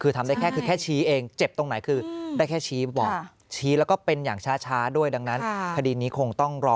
คือทำได้แค่ชี้เองเจ็บตรงไหน